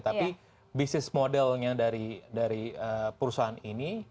tapi bisnis modelnya dari perusahaan ini